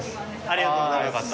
ありがとうございます。